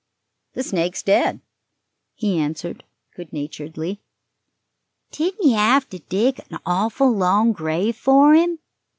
"The snake's dead," he answered, good naturedly. "Didn't you have to dig an awful long grave for him?"